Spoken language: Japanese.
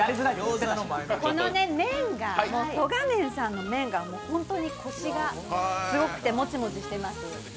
この麺が、曽我めんさんの麺が本当にコシがすごくて、もちもちしています。